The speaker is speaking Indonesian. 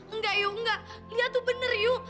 enggak yuk enggak lihat tuh bener yuk